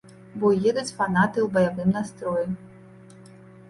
Бо едуць фанаты ў баявым настроі.